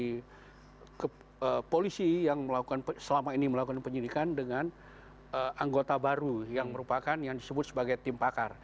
dari polisi yang melakukan selama ini melakukan penyidikan dengan anggota baru yang merupakan yang disebut sebagai tim pakar